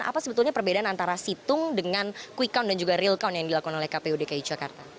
apa sebetulnya perbedaan antara situng dengan quick count dan juga real count yang dilakukan oleh kpu dki jakarta